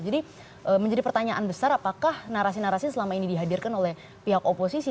jadi menjadi pertanyaan besar apakah narasi narasi selama ini dihadirkan oleh pihak oposisi